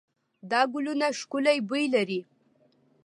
دا ګلونه ښکلې بوی لري.